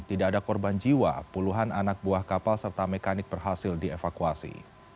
tidak ada korban jiwa puluhan anak buah kapal serta mekanik berhasil dievakuasi